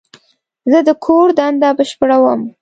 زه د کور دنده بشپړوم.